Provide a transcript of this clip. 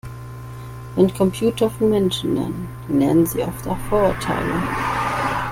Wenn Computer von Menschen lernen, dann lernen sie oft auch Vorurteile.